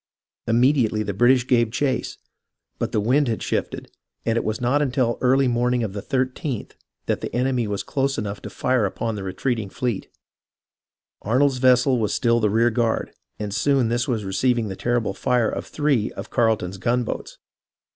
Immediately the British gave chase, but the wind had ARNOLD AND CARLETON 157 shifted, and it was not until the early morning of the 13th, that the enemy was close enough to fire upon the retreat ing fleet. Arnold's vessel was still the rear guard, and soon this was receiving the terrible fire of three of Carle ton's gun boats.